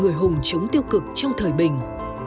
người hùng chống tiêu cực trong thời bình